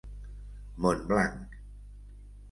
Montblanc: